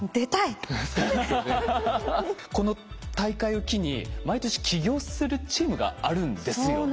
この大会を機に毎年起業するチームがあるんですよね。